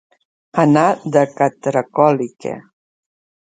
Anar de catracòlica.